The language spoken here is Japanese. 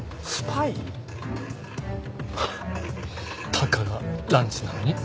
たかがランチなのに？